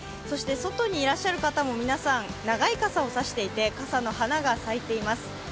外にいらっしゃる方も皆さん、長い傘をさしていて傘の花が咲いています。